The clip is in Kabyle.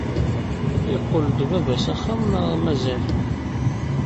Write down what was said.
Yeqqel-d baba s axxam neɣ mazal?